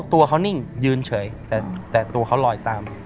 ตัวเขานิ่งยืนเฉยแต่ตัวเขาลอยตาม